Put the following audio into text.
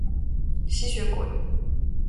吸血鬼